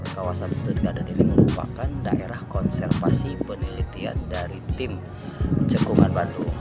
kawasan stone garden ini merupakan daerah konservasi penelitian dari tim jekungan bandung